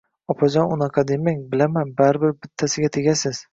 — Opajon, unaqa demang! Bilaman, baribir bittasiga tegasiz.